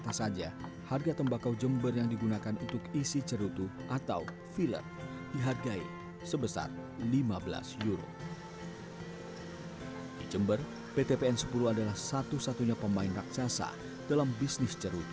bisa dikatakan tembakau indonesia ini